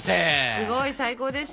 すごい最高です！